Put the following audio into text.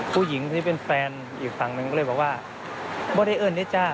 ผู้หญิงที่เป็นแฟนอีกฝั่งหนึ่งก็เลยบอกว่าไม่ได้เอิ้นด้วยจ้า